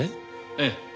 ええ。